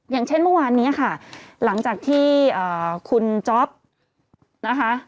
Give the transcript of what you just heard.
อย่างเช่นเมื่อวานนี้ค่ะหลังจากที่คุณจ๊อปนะคะ